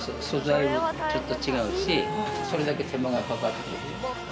素材ちょっと違うしそれだけ手間がかかってる。